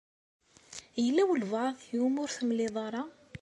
Yela walbaɛḍ i wumi ur temliḍ ara?